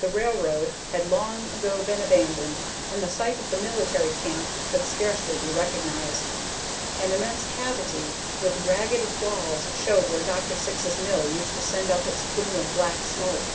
The railroad had long ago been abandoned, and the site of the military camp could scarcely be recognized. An immense cavity with ragged walls showed where Dr. Syx's mill used to send up its plume of black smoke.